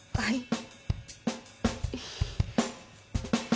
はい。